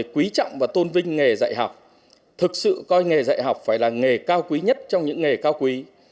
quý trọng và tôn vinh nghề dạy học thực sự coi nghề dạy học phải là nghề cao quý nhất trong những nghề cao quý